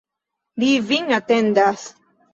Li vin atendas.